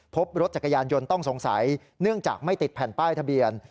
พบรถจักรยานยนต์ต้องสงสัยเนื่องจากไม่ติดแผ่นป้ายทะเบียน